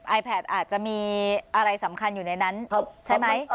ไอแพทอาจจะมีอะไรสำคัญอยู่ในนั้นใช่ไหม